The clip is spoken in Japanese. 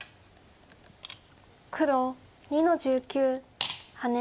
黒２の十九ハネ。